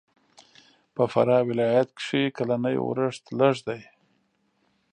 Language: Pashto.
په فراه ولایت کښې کلنی اورښت لږ دی.